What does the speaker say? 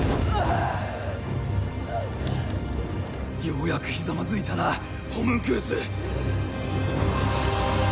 ようやくひざまずいたなホムンクルス！